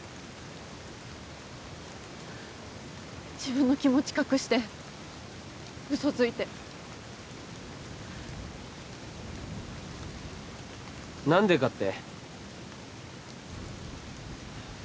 自分の気持ち隠してウソついて何でかって？